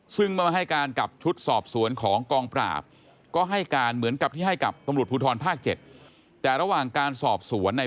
ซึ่งมาให้การกลับชุดสอบสวนของกองปราบ